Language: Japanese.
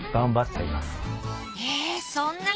えそんなに！？